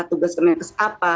tugas kementes apa